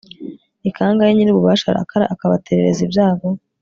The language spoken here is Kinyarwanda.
ni kangahe nyir'ububasha arakara akabaterereza ibyago